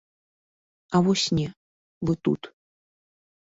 А вось не, вы тут.